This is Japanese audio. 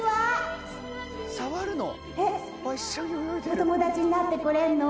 お友達になってくれんの？